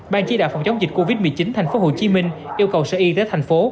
ban chí đạo phòng chống dịch covid một mươi chín tp hcm yêu cầu sở y tế tp hcm